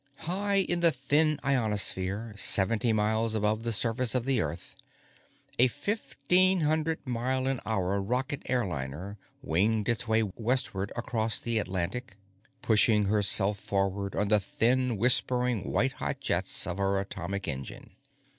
_High in the thin ionosphere, seventy miles above the surface of the Earth, a fifteen hundred mile an hour rocket airliner winged its way westward across the Atlantic, pushing herself forward on the thin, whispering, white hot jets of her atomic engine.